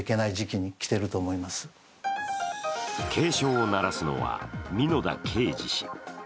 警鐘を鳴らすのは、美野田啓二氏